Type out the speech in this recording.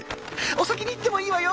お先に行ってもいいわよ。